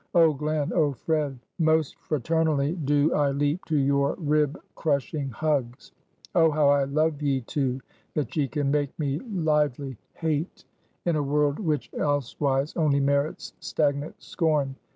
Oh, Glen! oh, Fred! most fraternally do I leap to your rib crushing hugs! Oh, how I love ye two, that yet can make me lively hate, in a world which elsewise only merits stagnant scorn!